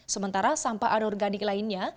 sementara sampah adorganik lainnya